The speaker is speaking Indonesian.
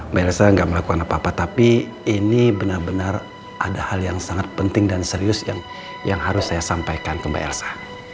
mbak elsa tidak melakukan apa apa tapi ini benar benar ada hal yang sangat penting dan serius yang harus saya sampaikan ke mbak elsa